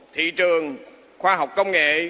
thị trường khoa học công nghệ